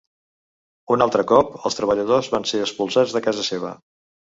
Un altre cop els treballadors van ser expulsats de casa seva.